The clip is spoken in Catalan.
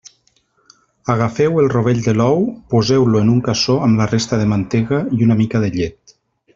Agafeu el rovell de l'ou, poseu-lo en un cassó amb la resta de mantega i una mica de llet.